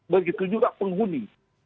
begitu juga penghuni